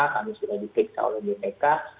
kami sudah diperiksa oleh bpk